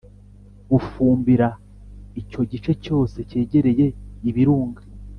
Bufumbira icyo gice cyose kegereye i Birunga